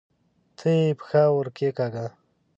ته یې پښه ورکښېکاږه!